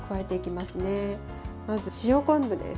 まず塩昆布です。